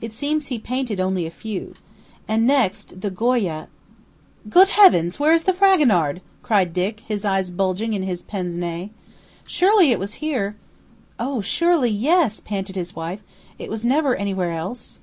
"It seems he painted only a few. And next, the Goya " "Good heavens! where is the Fragonard?" cried Dick, his eyes bulging behind his pince nez. "Surely it was here " "Oh, surely, yes!" panted his wife. "It was never anywhere else."